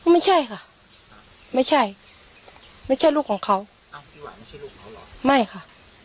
ไม่ใช่ค่ะไม่ใช่ไม่ใช่ลูกของเขาไม่ค่ะ